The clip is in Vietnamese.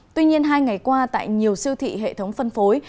tuy nhiên hai ngày qua tại nhiều siêu thị hệ thống phân phối